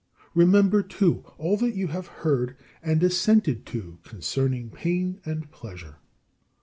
Remember, too, all that you have heard and assented to concerning pain and pleasure.